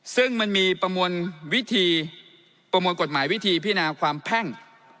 ซึ่งมันมีประมวลกฎหมายวิธีพินาความแพ่ง